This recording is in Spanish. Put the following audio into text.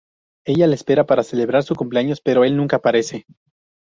Ella le espera para celebrar su cumpleaños pero el nunca aparece.